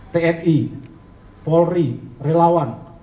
tni polri relawan